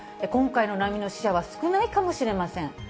今回の波の死者は少ないかもしれません、